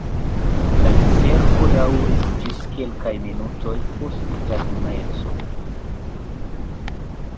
La Diservo daŭris ĝis kelkaj minutoj post tagmezo.